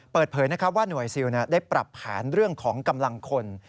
เปิดเผยว่าหน่วยซิลได้ปรับแผนเรื่องของกำลังคน